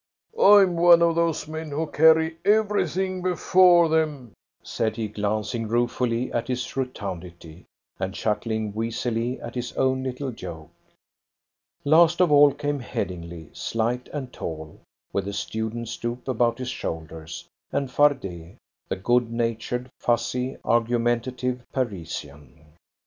"I'm one of those men who carry everything before them," said he, glancing ruefully at his rotundity, and chuckling wheezily at his own little joke. Last of all came Headingly, slight and tall, with the student stoop about his shoulders, and Fardet, the good natured, fussy, argumentative Parisian.